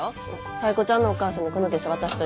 タイ子ちゃんのお母さんにこの月謝渡しといて。